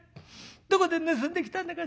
どこで盗んできたんだか」。